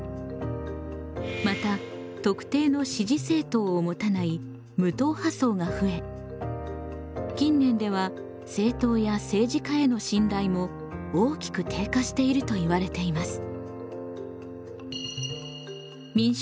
また特定の支持政党を持たない無党派層が増え近年では政党や政治家への信頼も大きく低下しているといわれています。